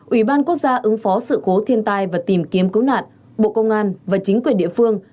ủy ban quốc gia ứng phó sự cố thiên tai và tìm kiếm cứu nạn bộ công an và chính quyền địa phương